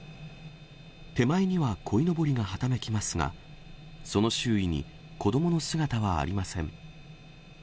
手前にはこいのぼりがはためきますが、その周囲に子どもの姿はありません。